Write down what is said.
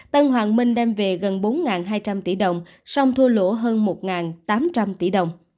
tân hoàng minh đem về gần bốn hai trăm linh tỷ đồng sông thua lỗ hơn một tám trăm linh tỷ đồng